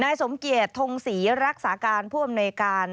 สมเกียจทงศรีรักษาการผู้อำนวยการ